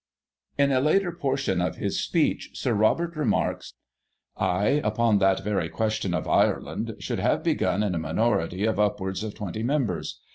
In a later portion of his speech, Sir Robert remarks :" I, upon that very question of Ireland, should have begun in a minority of upwards of twenty members.